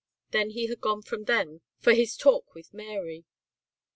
Then he had gone from them for his talk with Mary.